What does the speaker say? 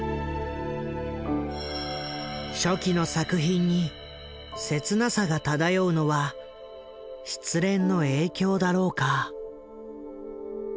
初期の作品に切なさが漂うのは失恋の影響だろうか。